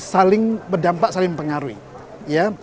saling berdampak saling pengaruhi